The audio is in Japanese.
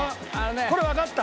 これわかった！